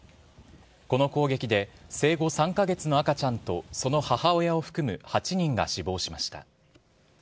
この攻撃で、生後３か月の赤ちゃんとその母親を含む８人が死亡しました。